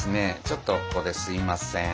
ちょっとここですいません